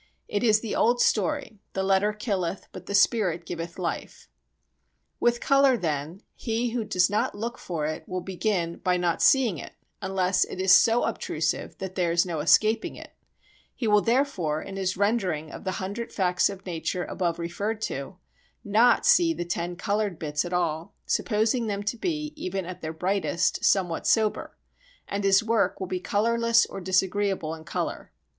It is the old story, the letter killeth but the spirit giveth life. With colour, then, he who does not look for it will begin by not seeing it unless it is so obtrusive that there is no escaping it; he will therefore, in his rendering of the hundred facts of nature above referred to, not see the ten coloured bits at all, supposing them to be, even at their brightest, somewhat sober, and his work will be colourless or disagreeable in colour.